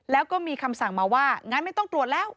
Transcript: แล้วก็มีคำสั่งมาว่างั้นไม่ต้องตรวจแล้ว